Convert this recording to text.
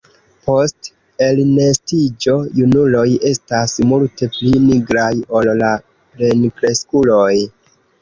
Post elnestiĝo junuloj estas multe pli nigraj ol la plenkreskuloj.